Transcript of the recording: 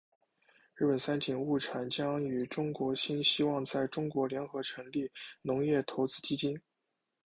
日本三井物产将与中国新希望在中国联合成立农业投资基金。